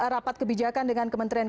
rapat kebijakan dengan kementerian